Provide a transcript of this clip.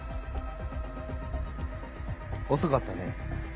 遅かったね。